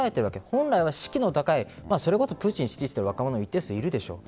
本来は士気の高いそれこそプーチンを支持している人もいるでしょう。